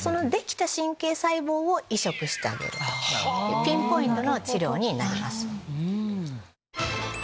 ピンポイントの治療になります。